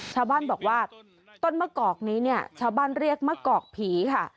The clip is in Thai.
ชาวบ้านบอกว่าต้นมะกอกนี้เนี่ยชาวบ้านเรียกมะกอกผีค่ะ